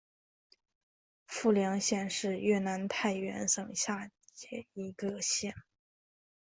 富良县是越南太原省下辖的一个县。